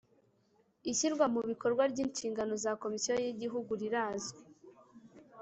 Ishyirwamubikorwa ry ‘inshingano za Komisiyo y’ Igihugu rirazwi